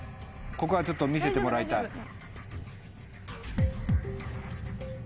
ここはちょっと見せてもらいたい。